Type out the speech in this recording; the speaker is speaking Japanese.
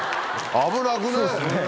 危なくねぇ！